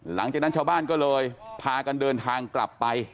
หลังจากนั้นชาวบ้านก็เลยพากันเดินทางกลับไป